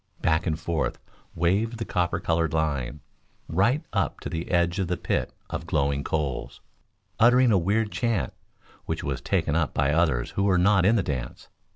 Back and forth waved the copper colored line, right up to the edge of the pit of glowing coals, uttering a weird chant, which was taken up by others who were not in the dance.